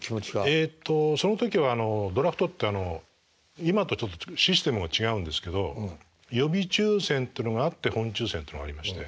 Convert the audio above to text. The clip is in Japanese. えっとその時はドラフトって今とちょっとシステムが違うんですけど予備抽選っていうのがあって本抽選というのがありまして。